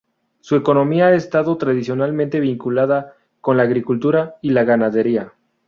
Su economía ha estado tradicionalmente vinculada con la agricultura y la ganadería.